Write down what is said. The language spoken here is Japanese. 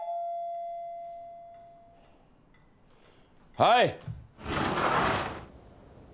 はい。